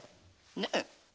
ねえ？